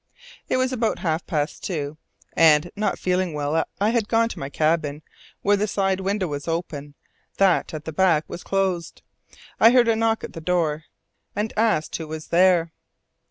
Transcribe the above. It was about half past two, and, not feeling well, I had gone to my cabin, where the side window was open, while that at the back was closed. I heard a knock at the door, and asked who was there.